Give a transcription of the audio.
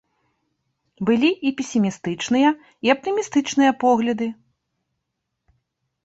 Былі і песімістычная, і аптымістычныя погляды.